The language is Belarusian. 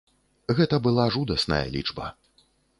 Гэта была жудасная лічба.